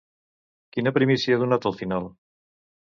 Quina primícia ha donat al final?